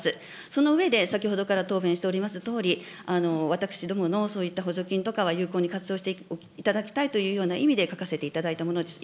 その上で、先ほどから答弁しておりますとおり、私どものそういった補助金とかは有効に活用していただきたいというような意味で書かせていただいたものです。